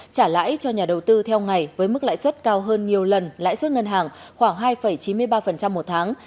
trả lãi cho nhà đầu tư theo ngày với mức lãi suất cao hơn nhiều lần lãi suất ngân hàng khoảng hai chín mươi ba một tháng